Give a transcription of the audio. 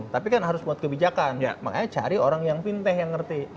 tapi kan harus buat kebijakan makanya cari orang yang fintech yang ngerti